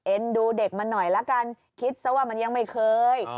ดูเด็กมันหน่อยละกันคิดซะว่ามันยังไม่เคย